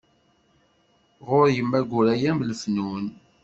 Ɣur yemma Guraya m lefnun.